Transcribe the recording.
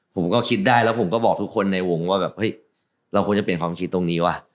ผมก็คิดได้แล้วผมก็บอกทุกคนในวงว่าแบบเฮ้ยเราควรจะเปลี่ยนความคิดตรงนี้ว่ะ